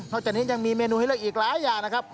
จากนี้ยังมีเมนูให้เลือกอีกหลายอย่างนะครับ